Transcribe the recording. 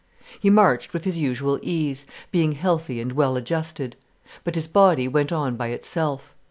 He marched with his usual ease, being healthy and well adjusted. But his body went on by itself.